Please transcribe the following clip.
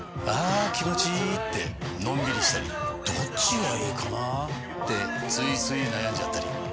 あ気持ちいいってのんびりしたりどっちがいいかなってついつい悩んじゃったり。